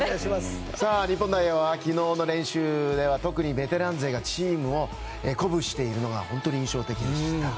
日本代表は昨日の練習では特にベテラン勢がチームを鼓舞しているのが本当に印象的でした。